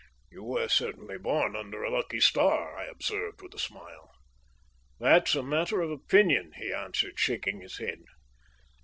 "You were certainly born under a lucky star," I observed, with a smile. "That's a matter of opinion," he answered, shaking his head.